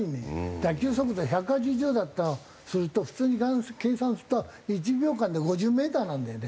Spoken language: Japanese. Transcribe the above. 打球速度１８０だとすると普通に計算すると１秒間で５０メーターなんだよね。